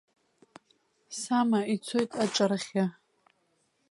Сама ицоит аҿарахьы.